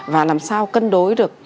và làm sao cân đối được